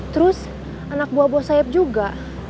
terus anak buah buah sayap juga